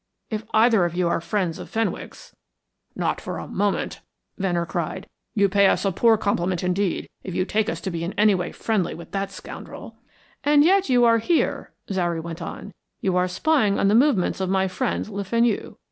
If either of you are friends of Fenwick's " "Not for a moment," Venner cried. "You pay us a poor compliment indeed if you take us to be in any way friendly with that scoundrel." "And yet you are here," Zary went on. "You are spying on the movements of my friend, Le Fenu.